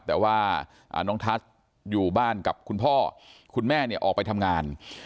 แต่ว่าน้องทัศน์อยู่บ้านกับคุณพ่อคุณแม่เนี่ยออกไปทำงาน